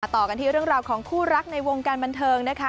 ต่อกันที่เรื่องราวของคู่รักในวงการบันเทิงนะคะ